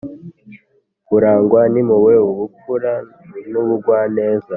Urangwa n’impuhwe ubupfura n’ubugwa neza